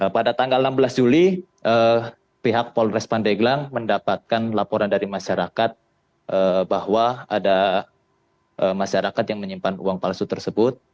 pada tanggal enam belas juli pihak polres pandeglang mendapatkan laporan dari masyarakat bahwa ada masyarakat yang menyimpan uang palsu tersebut